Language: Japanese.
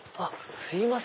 すいません。